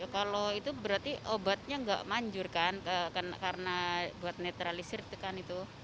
kalau itu berarti obatnya nggak manjur kan karena buat netralisir itu kan itu